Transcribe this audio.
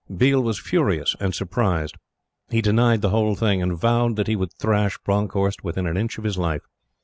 Biel was furious and surprised. He denied the whole thing, and vowed that he would thrash Bronckhorst within an inch of his life.